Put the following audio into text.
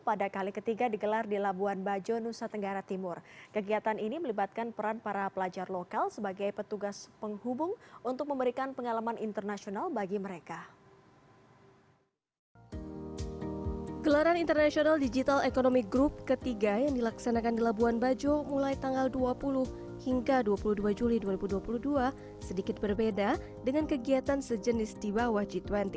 perjanjian yang dilakukan di labuan bajo mulai tanggal dua puluh hingga dua puluh dua juli dua ribu dua puluh dua sedikit berbeda dengan kegiatan sejenis di bawah g dua puluh